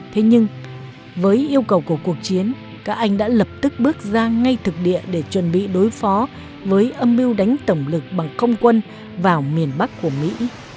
thế nhưng với yêu cầu của cuộc chiến các anh đã lập tức bước ra ngay thực địa để chuẩn bị đối phó với âm mưu đánh tổng lực bằng không quân vào miền bắc của mỹ